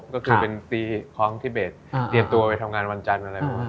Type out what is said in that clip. ก็คือเป็นตีของทิเบสเตรียมตัวไปทำงานวันจันทร์อะไรพวกนี้